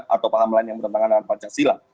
atau paham lain yang bertentangan dengan pancasila